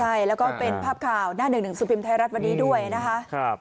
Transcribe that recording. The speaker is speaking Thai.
ใช่แล้วก็เป็นภาพข่าวหน้า๑๑สุภิมธ์ไทยรัฐวันนี้ด้วยนะครับ